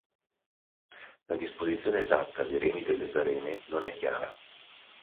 La disposizione esatta dei remi dell'esareme non è chiara.